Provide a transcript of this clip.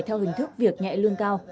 theo hình thức việc nhẹ lương cao